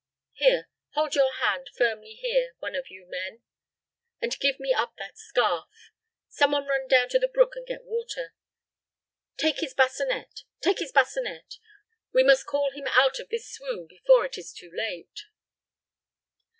Here, hold your hand firmly here, one of you men, and give me up that scarf. Some one run down to the brook and get water. Take his bassinet take his bassinet. We must call him out of this swoon before it is too late."